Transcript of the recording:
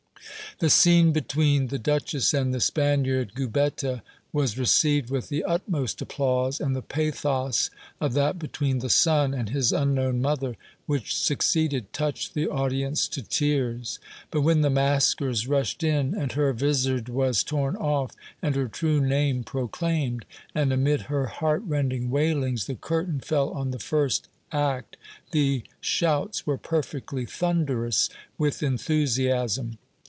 The scene between the Duchess and the Spaniard, Gubetta, was received with the utmost applause, and the pathos of that between the son and his unknown mother, which succeeded, touched the audience to tears; but when the maskers rushed in and her vizard was torn off, and her true name proclaimed, and, amid her heart rending wailings, the curtain fell on the first act, the shouts were perfectly thunderous with enthusiasm.